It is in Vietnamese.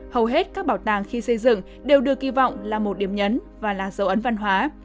hầu hết các bảo tàng khi xây dựng đều được kỳ vọng là một điểm nhấn và là dấu ấn văn hóa